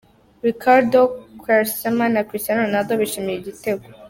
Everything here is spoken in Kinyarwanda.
Ricardo Quaresma na Cristiano Ronaldo bishimira igitego.